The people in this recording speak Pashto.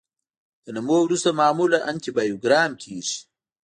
د نمو وروسته معمولا انټي بایوګرام کیږي.